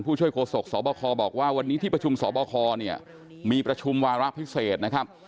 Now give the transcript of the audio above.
ช่วยโฆษกสบคบอกว่าวันนี้ที่ประชุมสบคเนี่ยมีประชุมวาระพิเศษนะครับ